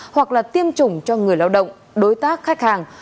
hoặc là tiêm chủng cho người lao động đối tác khách hàng